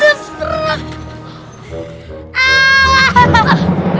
jatuh kelihatan seram